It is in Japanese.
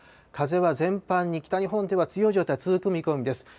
風は全般に北日本では強い状態、続く見込みです。